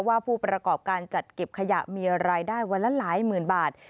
ผู้ประกอบการจัดเก็บขยะมีรายได้วันละหลายหมื่นบาท